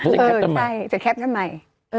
เออใช่เอามาแคปจะใหม่